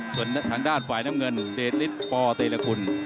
ส่วนทางด้านฝ่ายน้ำเงินเดชฤทธปเตรคุณ